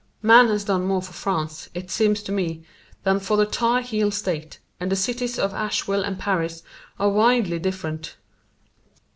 Man has done more for France, it seems to me, than for the Tar Heel State, and the cities of Asheville and Paris are widely different.